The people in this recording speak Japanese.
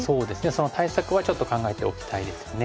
その対策はちょっと考えておきたいですよね。